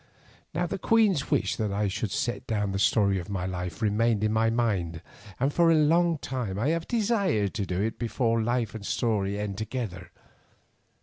Now the Queen's wish that I should set down the story of my life remained in my mind, and for long I have desired to do it before life and story end together.